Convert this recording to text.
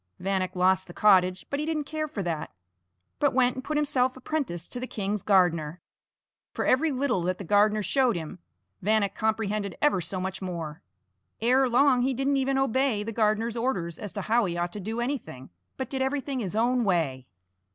Vanek lost the cottage, but he didn't care for that, but went and put himself apprentice to the king's gardener. For every little that the gardener showed him, Vanek comprehended ever so much more. Ere long he didn't even obey the gardener's orders as to how he ought to do anything, but did everything his own way.